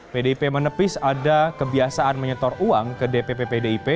pdip menepis ada kebiasaan menyetor uang ke dpp pdip